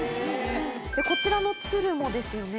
こちらの鶴もですよね？